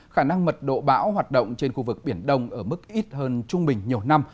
khả năng mật độ bão hoạt động trên khu vực biển đông ở mức ít hơn trung bình nhiều năm